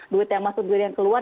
duit yang masuk duit yang keluar